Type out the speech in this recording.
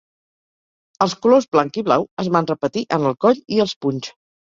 Els colors blanc i blau es van repetir en el coll i els punys.